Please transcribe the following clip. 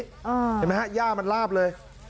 อ้าวเห็นไหมฮะหญ้ามันล้าบเลย